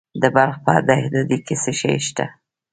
د بلخ په دهدادي کې څه شی شته؟